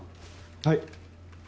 はい。